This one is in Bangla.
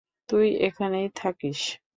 তুই এখানেই থাকিস।